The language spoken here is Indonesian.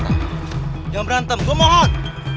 jangan berantem gue mohon